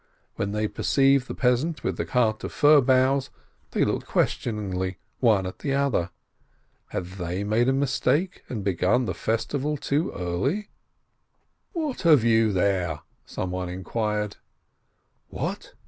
When they perceived the peasant with the cart of fir boughs, they looked ques tioningly one at the other: Had they made a mistake and begun the festival too early? 418 EAISIN "What have you there?" some one inquired. "What